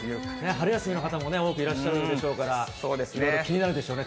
春休みの方も多くいらっしゃるでしょうから、いろいろ、気になるでしょうね。